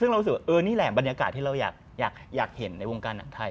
ซึ่งเรารู้สึกว่านี่แหละบรรยากาศที่เราอยากเห็นในวงการหนังไทย